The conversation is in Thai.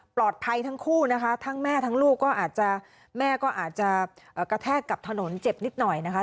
ทั้งคู่นะคะทั้งแม่ทั้งลูกก็อาจจะแม่ก็อาจจะกระแทกกับถนนเจ็บนิดหน่อยนะคะ